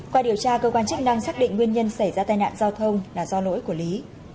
qua điều tra cơ quan chức năng xác định nguyên nhân xảy ra tai nạn giao thông là do lỗi của lý